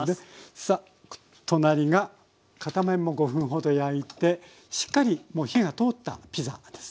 さあ隣が片面も５分ほど焼いてしっかりもう火が通ったピザなんですね。